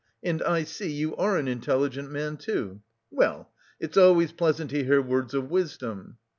And I see you are an intelligent man too. Well, it's always pleasant to hear words of wisdom."